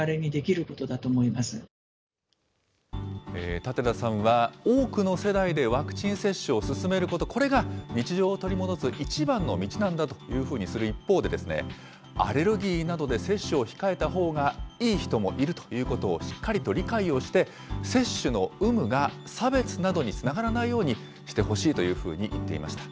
舘田さんは、多くの世代でワクチン接種を進めること、これが日常を取り戻す一番の道なんだというふうにする一方で、アレルギーなどで接種を控えたほうがいい人もいるということを、しっかりと理解をして、接種の有無が差別などにつながらないようにしてほしいというふうに言っていました。